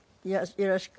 よろしく。